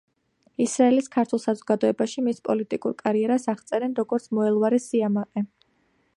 ისრაელის ქართულ საზოგადოებაში მის პოლიტიკურ კარიერას აღწერენ, როგორც „მოელვარე სიამაყე“.